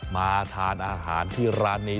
มาทานอาหารที่ร้านนี้